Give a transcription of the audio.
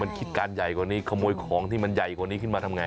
มันคิดการใหญ่กว่านี้ขโมยของที่มันใหญ่กว่านี้ขึ้นมาทำไง